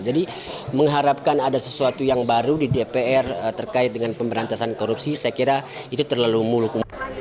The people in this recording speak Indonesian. jadi mengharapkan ada sesuatu yang baru di dpr terkait dengan pemberantasan korupsi saya kira itu terlalu muluk